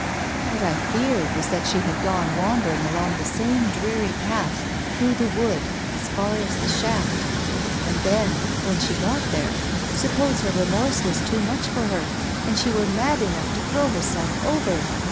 ... What I feared was that she had gone wandering along the same dreary path through the wood, as far as the shaft. And then, when she got there, suppose her remorse was too much for her and she were mad enough to throw herself over